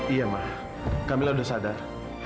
iya ma kamilah sudah sadar